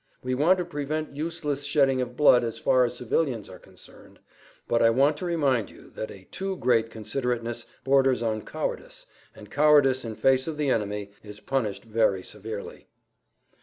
We want to prevent useless shedding of blood as far as the civilians are concerned, but I want to remind you that a too great considerateness borders on cowardice, and cowardice in face of the enemy is punished very severely."